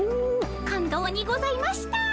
感動にございました。